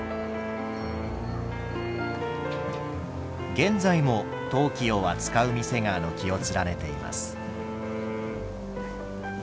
現在も陶器を扱う店が軒を連ねています。